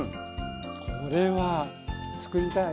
これは作りたい。